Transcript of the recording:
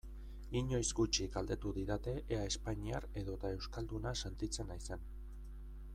Inoiz gutxi galdetu didate ea espainiar edota euskalduna sentitzen naizen.